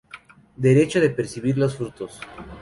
Derecho de percibir los frutos.